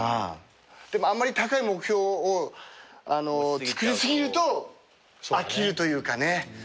でもあんまり高い目標をつくり過ぎると飽きるというかね。